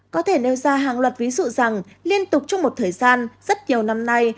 có thể nêu ra hàng loạt ví dụ rằng liên tục trong một thời gian rất nhiều năm nay